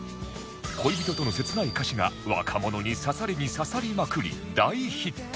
恋人との切ない歌詞が若者に刺さりに刺さりまくり大ヒット！